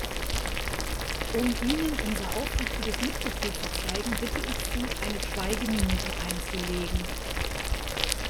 Um ihnen unser aufrichtiges Mitgefühl zu zeigen, bitte ich Sie, eine Schweigeminute einzulegen.